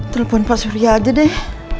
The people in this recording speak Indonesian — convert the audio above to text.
telepon pak surya aja deh